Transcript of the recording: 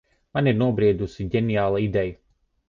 Man ir nobriedusi ģeniāla ideja.